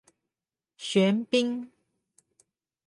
玄彬